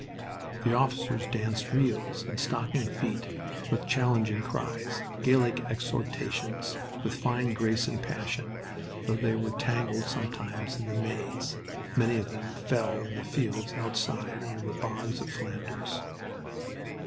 The officers danced reels in stocking feet with challenging cries, Gaelic exhortations, with fine grace and passion, though they were tangled sometimes in the maze... many of them fell in the fields outside or in the bogs of Flanders.